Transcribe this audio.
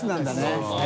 そうですね。